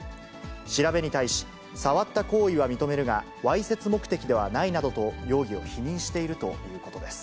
調べに対し、触った行為は認めるが、わいせつ目的ではないなどと容疑を否認しているということです。